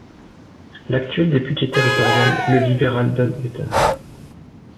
L'actuel député territoriale est le libéral Don Hutton.